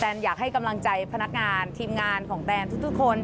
อยากให้กำลังใจพนักงานทีมงานของแตนทุกคน